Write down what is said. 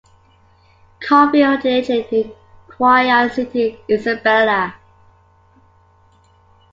Coffee originated in Cauayan City, Isabela.